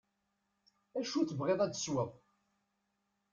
Acu tebɣiḍ ad tesweḍ.